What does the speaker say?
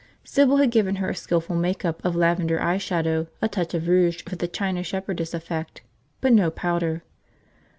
Sybil had given her a skillful make up of lavender eye shadow, a touch of rouge for the china shepherdess effect, but no powder.